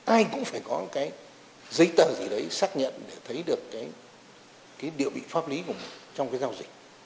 ai cũng phải có cái giấy tờ gì đấy xác nhận để thấy được cái địa vị pháp lý trong cái giao dịch